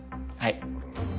はい。